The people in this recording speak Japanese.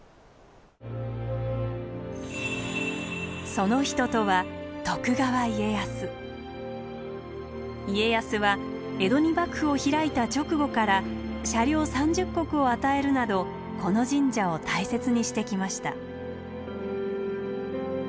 その人とは家康は江戸に幕府を開いた直後から社領３０石を与えるなどこの神社を大切にしてきました。